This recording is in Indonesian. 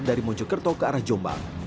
dari mojokerto ke arah jombang